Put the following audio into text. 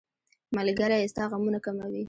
ملګری ستا غمونه کموي.